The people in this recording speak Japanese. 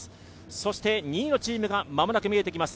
そして２位のチームがまもなく見えてきます。